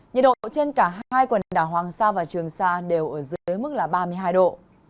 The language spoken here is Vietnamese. nhiệt độ trên cả hai quần đảo hoàng sa và trường sa đều ở dưới mức là ba mươi hai độ